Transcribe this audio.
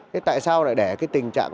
thế tại sao lại để cái tình trạng